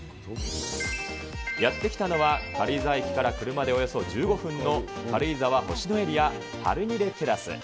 やって来たのは、軽井沢駅から車でおよそ１５分の軽井沢星野エリアハルニレテラス。